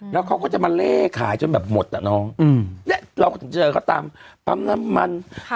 แล้วเขาก็จะมาเล่ขายจนแบบหมดอ่ะน้องอืมเนี้ยเราก็ถึงเจอเขาตามปั๊มน้ำมันค่ะ